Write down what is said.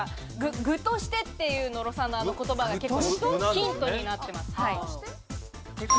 具としてという野呂さんの言葉がヒントになってます。